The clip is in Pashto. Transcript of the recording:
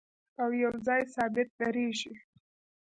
او یو ځای ثابت درېږي